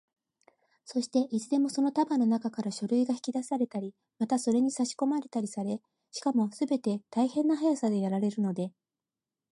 そして、いつでもその束のなかから書類が引き出されたり、またそれにさしこまれたりされ、しかもすべて大変な速さでやられるので、